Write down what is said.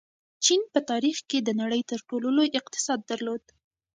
چین په تاریخ کې د نړۍ تر ټولو لوی اقتصاد درلود.